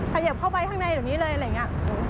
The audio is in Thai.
เขยิบเข้าไปข้างในเดี๋ยวนี้เลยอะไรอย่างนี้